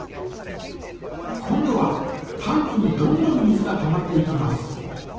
今度はタンクにどんどん水がたまっていきます。